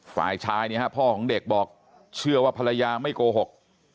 ฝ่ายชายเนี่ยฮะพ่อของเด็กบอกเชื่อว่าภรรยาไม่โกหก